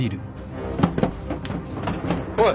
おい。